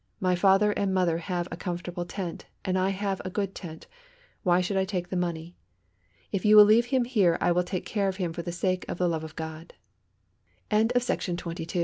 My father and mother have a comfortable tent, and I have a good tent; why should I take the money? If you will leave him here I will take care of him for the sake of the love of God.'" Gladstone was in the thick of pol